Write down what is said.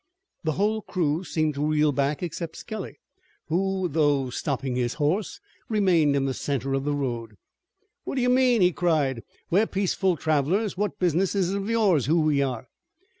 The whole crew seemed to reel back except Skelly, who, though stopping his horse, remained in the center of the road. "What do you mean?" he cried. "We're peaceful travelers. What business is it of yours who we are?"